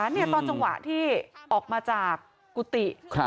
นี่ตอนจังหวะที่ออกมาจากกุฏิ